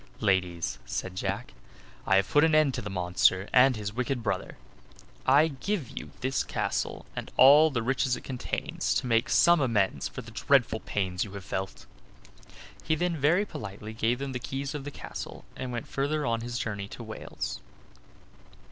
"Ladies," said Jack, "I have put an end to the monster and his wicked brother; and I give you this castle and all the riches it contains, to make some amends for the dreadful pains you have felt." He then very politely gave them the keys of the castle, and went further on his journey to Wales.